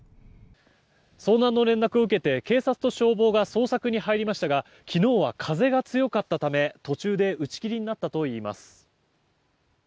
遭難の連絡を受けて警察と消防が捜索に入りましたが昨日は風が強かったため、途中で打ち切りになったといいます。